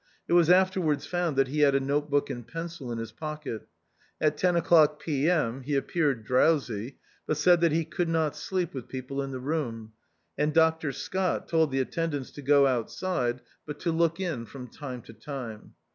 It was afterwards found that he had a note book and pencil in his pocket. At ten o'clock p.m. he appeared drowsy, but said that he could not sleep with people in the room ; and Dr. Scott told the attendants to go outside, but to look in from time to time.